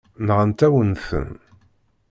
Nɣant-awen-ten.